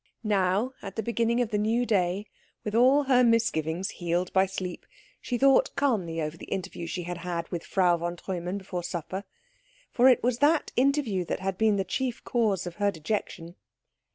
Now, at the beginning of the new day, with all her misgivings healed by sleep, she thought calmly over the interview she had had with Frau von Treumann before supper; for it was that interview that had been the chief cause of her dejection.